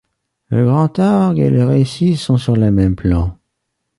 Le grand orgue et le récit sont sur le même plan.